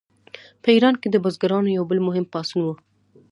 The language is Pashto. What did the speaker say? په ایران کې د بزګرانو یو بل مهم پاڅون و.